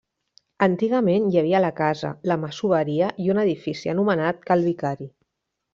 Antigament hi havia la casa, la masoveria i un edifici anomenat Cal Vicari.